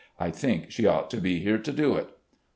I think she ought to be here to do it.